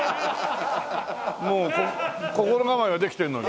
もう心構えはできてるのに。